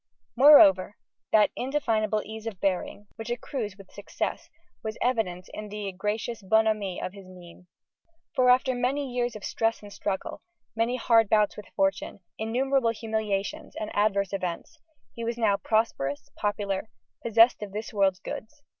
Moreover, that indefinable ease of bearing, which accrues with success, was evident in the gracious bonhomie of his mien. For, after many years of stress and struggle, many hard bouts with fortune, innumerable humiliations and adverse events, he was now prosperous, popular, possessed of this world's goods.